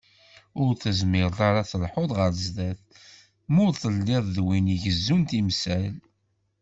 Ur tezmireḍ ara ad telḥuḍ ɣer sdat, ma ur telliḍ d win igezzun timsal.